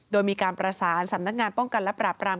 โดยมีการประสานสำนักงานป้องกันและปราบราม